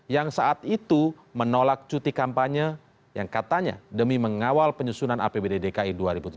yang saat itu menolak cuti kampanye yang katanya demi mengawal penyusunan apbd dki dua ribu tujuh belas